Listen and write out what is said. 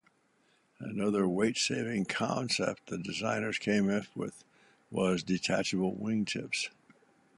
Another weight-saving concept the designers came up with was detachable wingtips.